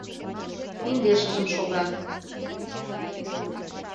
Индешыжым шога.